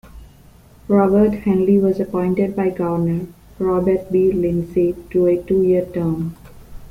Robert Henley was appointed by Governor, Robert B. Lindsay to a two-year term.